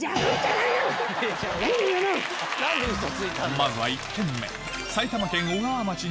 まずは１軒目